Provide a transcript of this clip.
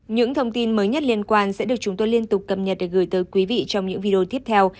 những thông tin mới nhất liên quan sẽ được chúng tôi liên tục cập nhật để gửi tới quý vị trong những video tiếp theo